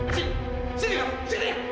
sini kamu berani